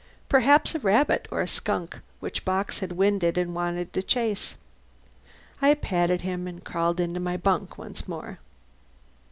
Perhaps a rabbit or a skunk which Bock had winded and wanted to chase. I patted him, and crawled into my bunk once more.